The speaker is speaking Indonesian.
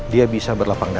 dia bisa berlapang dada